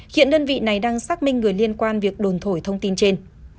hiện đơn vị này đang xác minh người liên quan việc đồn thổi thông tin trên